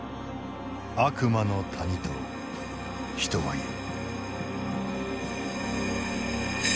悪魔の谷と人は言う。